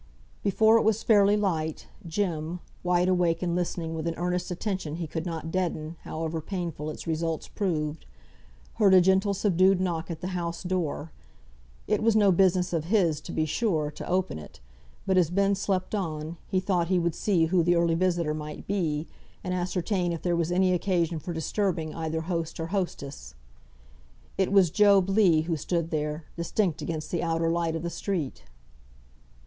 Before it was fairly light, Jem (wide awake, and listening with an earnest attention he could not deaden, however painful its results proved) heard a gentle subdued knock at the house door; it was no business of his, to be sure, to open it, but as Ben slept on, he thought he would see who the early visitor might be, and ascertain if there was any occasion for disturbing either host or hostess. It was Job Legh who stood there, distinct against the outer light of the street.